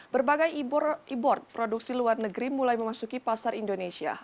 berbagai e board produksi luar negeri mulai memasuki pasar indonesia